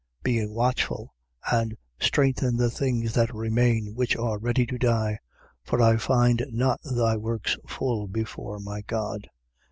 3:2. Be watchful and strengthen the things that remain, which are ready to die. For I find not thy works full before my God.